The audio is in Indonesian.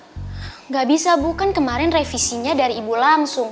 enggak bisa bu kan kemarin revisinya dari ibu langsung